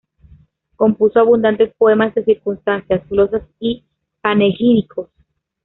Compuso abundantes poemas de circunstancias, glosas y panegíricos.